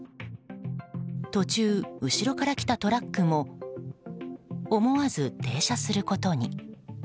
途中、後ろから来たトラックも思わず停車することに。